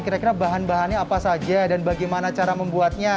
kira kira bahan bahannya apa saja dan bagaimana cara membuatnya